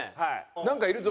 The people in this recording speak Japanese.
なんかいるぞ。